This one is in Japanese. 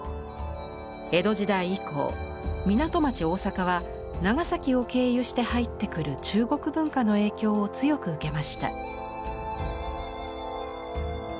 江戸時代以降港町・大阪は長崎を経由して入ってくる中国文化の影響を強く受けました。